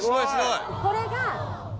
これが。